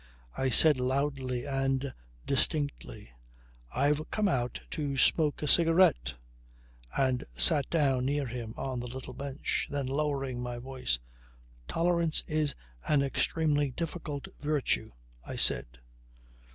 I said loudly and distinctly: "I've come out to smoke a cigarette," and sat down near him on the little bench. Then lowering my voice: "Tolerance is an extremely difficult virtue," I said.